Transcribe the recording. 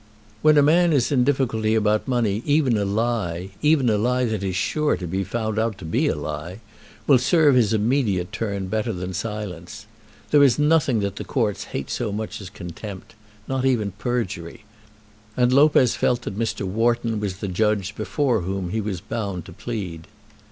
When a man is in difficulty about money, even a lie, even a lie that is sure to be found out to be a lie, will serve his immediate turn better than silence. There is nothing that the courts hate so much as contempt; not even perjury. And Lopez felt that Mr. Wharton was the judge before whom he was bound to plead.